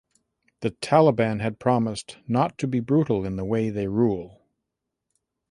The Taliban had promised not to be brutal in the way they rule.